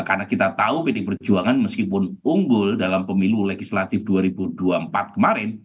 karena kita tahu pdi perjuangan meskipun unggul dalam pemilu legislatif dua ribu dua puluh empat kemarin